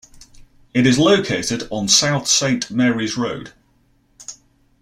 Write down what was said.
It is located on South Saint Marys Road.